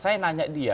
saya nanya dia